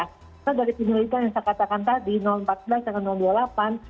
karena dari penelitian yang saya katakan tadi empat belas dan dua puluh delapan